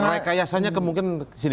rekayasanya kemungkinan disini